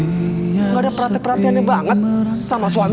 gak ada perhati perhatiannya banget sama suami